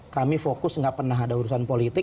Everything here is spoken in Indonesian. kami fokus nggak pernah ada urusan politik